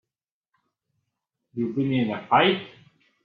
You been in a fight?